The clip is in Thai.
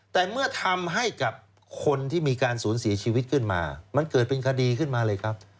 แต่เมื่อทำให้กับคนที่มีการสูญเสียชีวิตขึ้นมามันเกิดเป็นคดีขึ้นมาเลยครับ